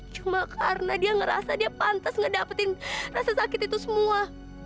cuma karena dia ngerasa dia pantas ngedapetin rasa sakit itu semua